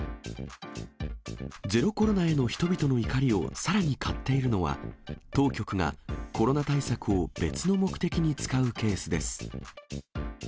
ゼロコロナへの人々の怒りをさらにかっているのは、当局がコロナ対策を別の目的に使うケースです。